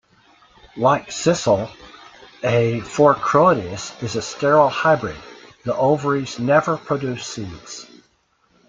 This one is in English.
Like sisal, "A. fourcroydes" is a sterile hybrid; the ovaries never produce seeds.